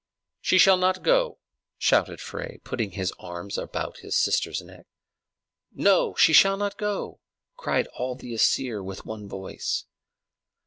"She shall not go!" shouted Frey, putting his arms about his sister's neck. "No, she shall not go!" cried all the Æsir with one voice.